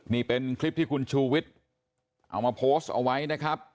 นี่เป็นคลิปที่คุณชูวิทย์เอามาโพสต์เอาไว้นะครับ